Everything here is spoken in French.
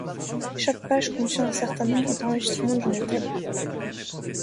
Chaque page contient un certain nombre d'enregistrements d'une table.